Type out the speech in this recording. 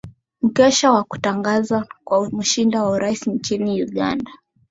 mkesha wa kutangazwa kwa mushinda wa urais nchini uganda